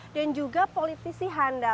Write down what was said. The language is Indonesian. dan juga politisi handal